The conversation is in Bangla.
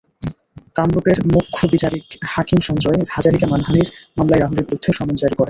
কামরূপের মুখ্য বিচারিক হাকিম সঞ্জয় হাজারিকা মানহানির মামলায় রাহুলের বিরুদ্ধে সমন জারি করেন।